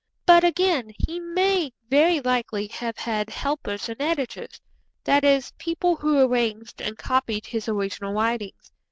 But, again, he may very likely have had helpers and editors; that is, people who arranged and copied his original writings.